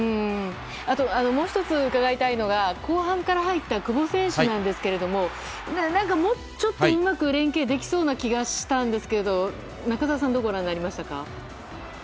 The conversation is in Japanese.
あと、もう１つ伺いたいのが後半から入った久保選手なんですが何かもうちょっとうまく連係できそうな気がしたんですけど中澤さんはどうご覧になりましたか。